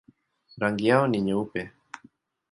Rangi yao ni nyeupe.